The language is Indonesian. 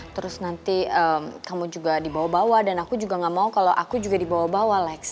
terus nanti kamu juga dibawa bawa dan aku juga gak mau kalau aku juga dibawa bawa lex